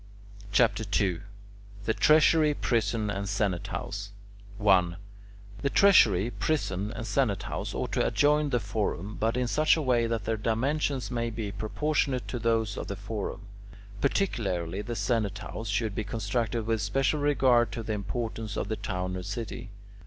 CHAPTER II THE TREASURY, PRISON, AND SENATE HOUSE 1. The treasury, prison, and senate house ought to adjoin the forum, but in such a way that their dimensions may be proportionate to those of the forum. Particularly, the senate house should be constructed with special regard to the importance of the town or city.